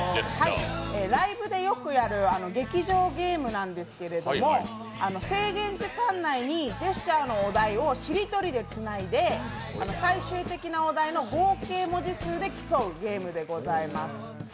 ライブでよくやる劇場ゲームなんですけれども制限時間内にジェスチャーのお題をしりとりでつないで最終的なお題の合計文字数で競うゲームでございます。